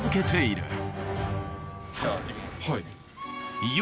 はい。